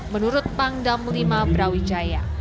menurut pangdamulima brawijaya